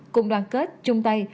cùng đoàn kết chung tay